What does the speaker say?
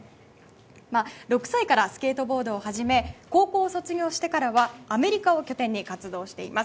６歳からスケートボードを始め高校を卒業してからはアメリカを拠点に活動しています。